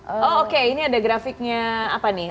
oh oke ini ada grafiknya apa nih